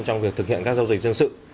trong việc thực hiện các giao dịch dân sự